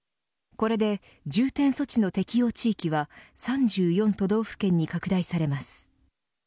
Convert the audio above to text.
これで重点措置の適用地域は３４都道府県に拡大されます。